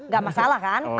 gak masalah kan